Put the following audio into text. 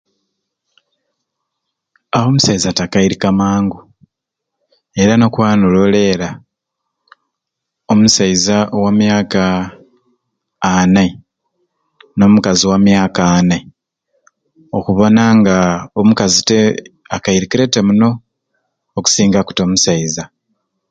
Omusaiza takerika mangu era nokwaba nololera omusaiza owa myaka Anai n'omukazi wamyaka Anai okubona nga omukazi te akeyirikire te muno okusinga ku musaiza